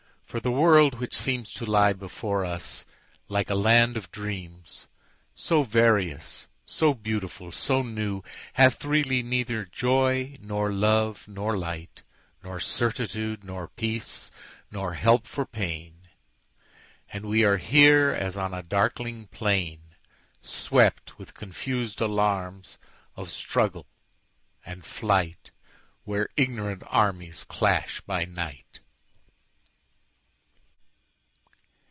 for the world, which seemsTo lie before us like a land of dreams, So various, so beautiful, so new, Hath really neither joy, nor love, nor light, Nor certitude, nor peace, nor help for pain; And we are here as on a darkling plainSwept with confus'd alarms of struggle and flight, Where ignorant armies clash by night.